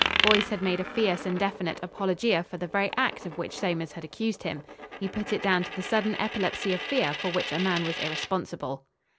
Boyce had made a fierce and definite apologia for the very act of which Somers had accused him. He put it down to the sudden epilepsy of fear for which a man was irresponsible.